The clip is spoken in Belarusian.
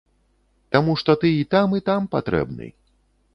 Таму што ты і там і там патрэбны.